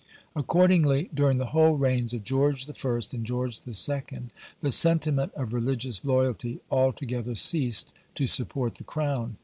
Accordingly, during the whole reigns of George I. and George II. the sentiment of religious loyalty altogether ceased to support the Crown.